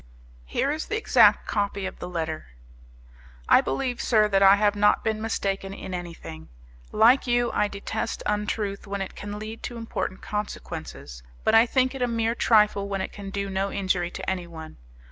Here is the exact copy of the letter: "I believe, sir, that I have not been mistaken in anything. Like you, I detest untruth when it can lead to important consequences, but I think it a mere trifle when it can do no injury to anyone.